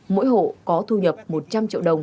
mỗi hộ có thu nhập một trăm linh triệu đồng